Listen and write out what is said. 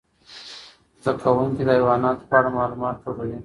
زده کوونکي د حیواناتو په اړه معلومات ټولوي.